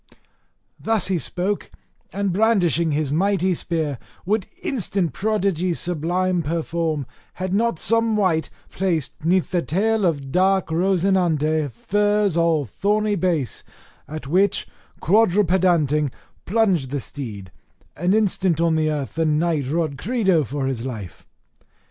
Thus he spoke, and brandishing his mighty spear, would instant prodigies sublime perform, had not some wight placed 'neath the tail of dark Rosinante furze all thorny base; at which, quadrupedanting, plunged the steed, and instant on the earth the knight roared credo for his life.